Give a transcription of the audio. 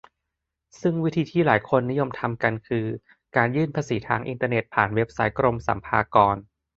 ซึ่งวิธีที่หลายคนนิยมทำกันคือ การยื่นภาษีทางอินเทอร์เน็ตผ่านเว็บไซต์กรมสรรพากร